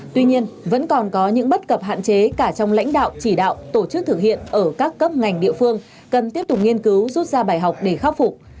tuy nhiên vẫn còn có những bất cập hạn chế cả trong lãnh đạo chỉ đạo tổ chức thực hiện ở các cấp ngành địa phương cần tiếp tục nghiên cứu rút ra bài học để khắc phục